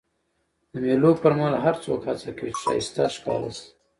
د مېلو پر مهال هر څوک هڅه کوي، چي ښایسته ښکاره سي.